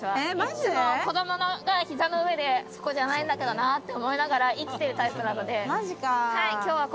いつも子供がひざの上でそこじゃないんだけどなって思って生きているタイプなので。